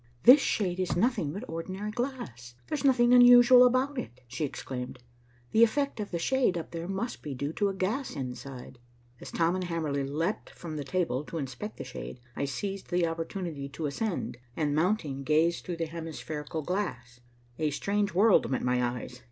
"This shade is nothing but ordinary glass. There's nothing unusual about it," she exclaimed. "The effect of the shade up there must be due to a gas inside." As Tom and Hamerly leaped from the table to inspect the shade, I seized the opportunity to ascend, and mounting, gazed through the hemispherical glass. A strange world met my eyes.